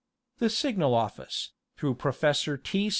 The Signal Office, through Professor T.